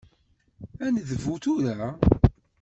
Ad nedbu tura?